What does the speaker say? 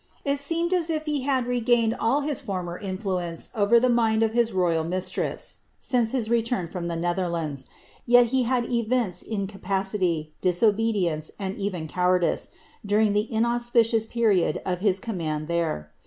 It seemed as if he had regained all his former influence over the mind of his royal mistress since his return from the Netherlands ; yet he had evinced incapacity, disobedience, and even cowardice, during the inauspicious period of his command there.